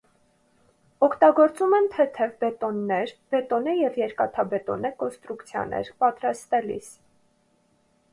Օգտագործում են թեթև բետոններ, բետոնե և երկաթբետոնե կոնստրուկցիաներ պատրաստելիս։